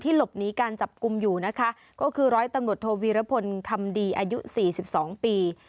หลบหนีการจับกลุ่มอยู่นะคะก็คือร้อยตำรวจโทวีรพลคำดีอายุ๔๒ปี